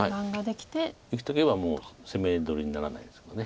生きとけばもう攻め取りにならないですから。